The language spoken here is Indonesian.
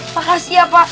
pak siap pak